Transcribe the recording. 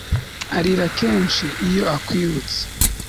arira kenshi iyo akwibutse